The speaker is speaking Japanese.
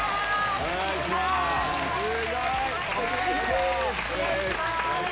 お願いします。